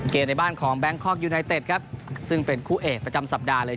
ในบ้านของแบงคอกยูไนเต็ดครับซึ่งเป็นคู่เอกประจำสัปดาห์เลย